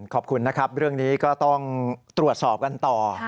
ขอบคุณนะครับเรื่องนี้ก็ต้องตรวจสอบกันต่อ